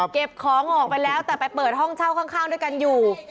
เก็บของออกไปแล้วแต่ไปเปิดห้องเช่าข้างด้วยกันอยู่